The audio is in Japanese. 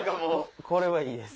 これはいいです。